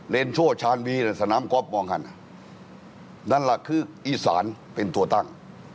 โชว์ชาญวีหรือสนามก๊อฟมองกันนั่นแหละคืออีสานเป็นตัวตั้ง